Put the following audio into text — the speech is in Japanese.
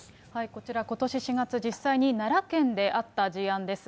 こちら、ことし４月、実際に奈良県であった事案です。